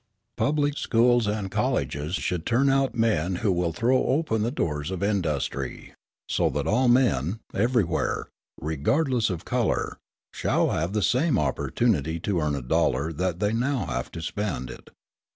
Public schools and colleges should turn out men who will throw open the doors of industry, so that all men, everywhere, regardless of colour, shall have the same opportunity to earn a dollar that they now have to spend it.